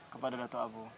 kepada dato abu